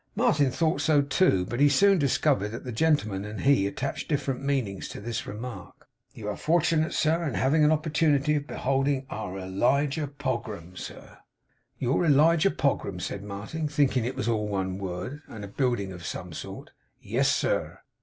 Martin thought so too; but he soon discovered that the gentleman and he attached different meanings to this remark. 'You air fortunate, sir, in having an opportunity of beholding our Elijah Pogram, sir.' 'Your Elijahpogram!' said Martin, thinking it was all one word, and a building of some sort. 'Yes sir.